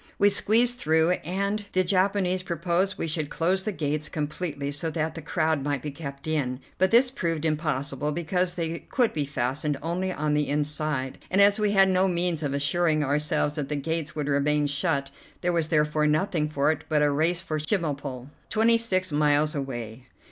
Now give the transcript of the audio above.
We squeezed through, and the Japanese proposed we should close the gates completely, so that the crowd might be kept in, but this proved impossible, because they could be fastened only on the inside, and we had no means of assuring ourselves that the gates would remain shut. There was therefore nothing for it but a race for Chemulpo, twenty six miles away.